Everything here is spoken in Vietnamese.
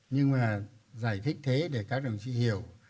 nhưng mà giải thích thế để các đồng chí hiểu